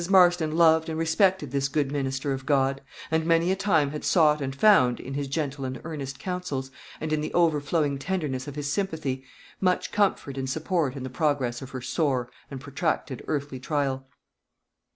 Marston loved and respected this good minister of God; and many a time had sought and found, in his gentle and earnest counsels, and in the overflowing tenderness of his sympathy, much comfort and support in the progress of her sore and protracted earthly trial.